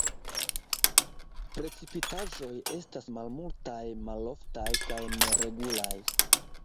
Precipitaĵoj estas malmultaj, maloftaj kaj neregulaj.